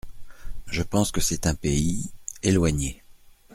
Je pense que c’est un pays… éloigné.